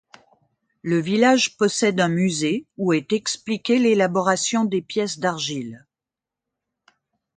Le village possède un musée où est expliquée l'élaboration des pièces d'argile.